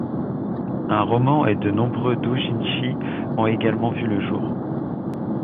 Un roman et de nombreux doujinshi ont également vu le jour.